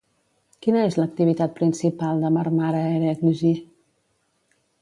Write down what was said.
Quina és l'activitat principal de Marmara Ereğlisi?